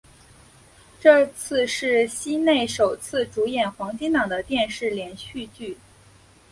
这次是西内首次主演黄金档的电视连续剧。